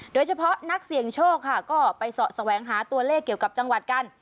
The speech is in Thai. โดยเฉพาะนักเสี่ยงโชคค่ะก็ไปเสาะแสวงหาตัวเลขเกี่ยวกับจังหวัดกัน